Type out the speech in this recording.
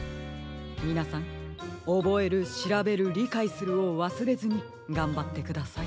みなさん「おぼえるしらべるりかいする」をわすれずにがんばってください。